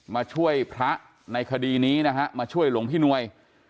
มาช่วยพระในคดีนี้นะฮะมาช่วยหลวงพี่นวย